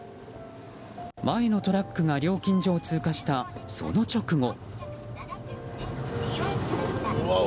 前のトラックが料金所を通過したその直後。